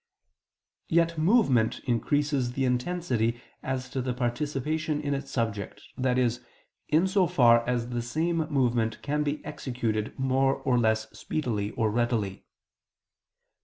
Yet movement increases the intensity as to participation in its subject: i.e. in so far as the same movement can be executed more or less speedily or readily.